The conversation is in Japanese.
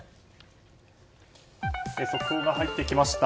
速報が入ってきました。